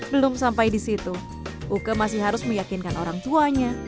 belum sampai di situ uke masih harus meyakinkan orang tuanya